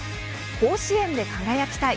「甲子園で輝きたい」